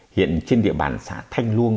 hiện trên địa bàn xã thanh luông